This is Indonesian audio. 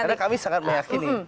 karena kami sangat meyakini